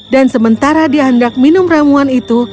dan sementara diandak minum ramuan itu